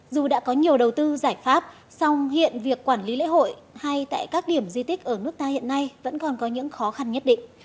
dù đã có nhiều đầu tư giải pháp song hiện việc quản lý lễ hội hay tại các điểm di tích ở nước ta hiện nay vẫn còn có những khó khăn nhất định